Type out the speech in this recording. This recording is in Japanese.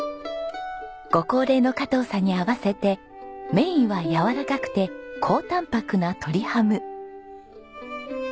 ご高齢の加藤さんに合わせてメインはやわらかくて高たんぱくな鶏ハム。